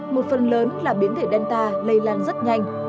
một phần lớn là biến thể danta lây lan rất nhanh